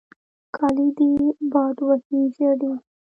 کالې دې باد وهي ژړې.